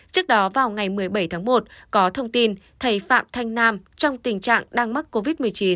trước đó vào ngày một mươi bảy tháng một có thông tin thầy phạm thanh nam trong tình trạng đang mắc covid một mươi chín